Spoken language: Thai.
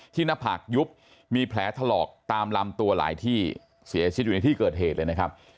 หน้าผากยุบมีแผลถลอกตามลำตัวหลายที่เสียชีวิตอยู่ในที่เกิดเหตุเลยนะครับ